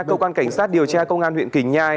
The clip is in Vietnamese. cơ quan cảnh sát điều tra công an huyện quỳnh nhai